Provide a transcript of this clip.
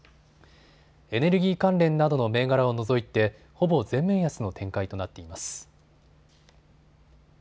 エネルギー関連などの銘柄を除いて、ほぼ全面安の展開となっています。